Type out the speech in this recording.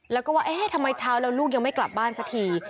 แล้วก็ว่าเอ๊ะทำไมเช้าแล้วลูกยังไม่กลับบ้านสักที